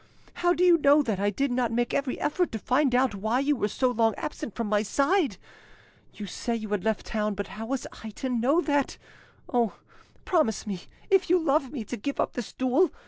How do you know that I did not make every effort to find out why you were so long absent from my side? You say you had left town but how was I to know that? Oh! promise me, if you love me, to give up this duel!